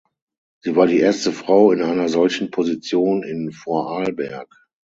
Sie war die erste Frau in einer solchen Position in Vorarlberg.